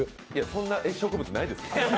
そんな植物ないです。